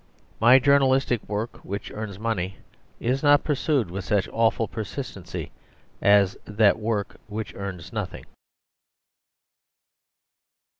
My journalistic work, which earns money, is not pursued with such awful persistency as that work which earned nothing.